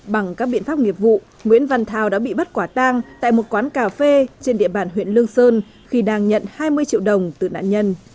bằng các biện pháp nghiệp vụ nguyễn văn thao đã bị bắt quả tang tại một quán cà phê trên địa bàn huyện lương sơn khi đang nhận hai mươi triệu đồng từ nạn nhân